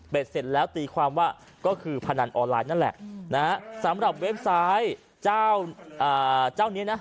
เสร็จแล้วตีความว่าก็คือพนันออนไลน์นั่นแหละนะฮะสำหรับเว็บไซต์เจ้าเจ้านี้นะ